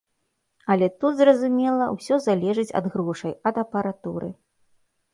Але тут, зразумела, усё залежыць ад грошай, ад апаратуры.